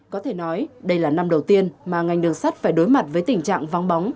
có thể nói đây là năm đầu tiên mà ngành đường sắt phải đối mặt với tình trạng vắng bóng